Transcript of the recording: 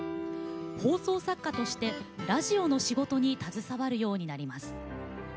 放送作家としてラジオの仕事に携わるようになります。